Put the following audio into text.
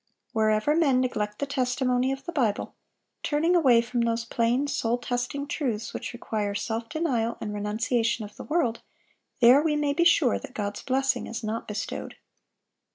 Wherever men neglect the testimony of the Bible, turning away from those plain, soul testing truths which require self denial and renunciation of the world, there we may be sure that God's blessing is not bestowed.